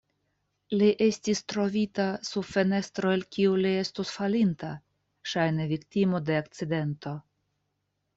Li estis trovita sub fenestro el kiu li estus falinta, ŝajne viktimo de akcidento.